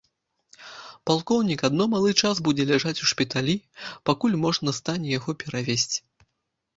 Палкоўнік адно малы час будзе ляжаць у шпіталі, пакуль можна стане яго перавезці.